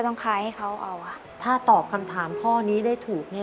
คล้ายให้เขาเอาค่ะถ้าตอบคำถามข้อนี้ได้ถูกเนี่ย